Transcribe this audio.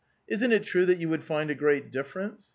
Isn't it true that you would find a great difference